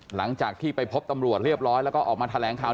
หลังจากที่ไปพบตำรวจเรียบร้อยแล้วก็ออกมาแถลงข่าว